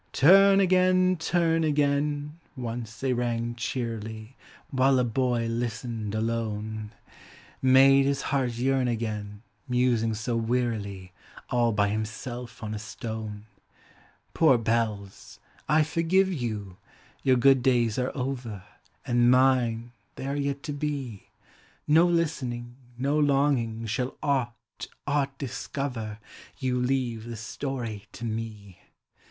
*' Turn again, turn again." once they rang cheerily While a boy listened alone: Digitized by Google YOUTH. 20r, Made his heart yearn again, musing so wearily All by himself on a stone. Poor hells! I forgive you; your good days are over, And mine, they are yet to be; No listening, no longing, shall aught, aught dis cover : You leave the story to me.